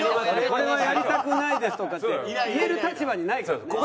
これはやりたくないです」とかって言える立場にないからね。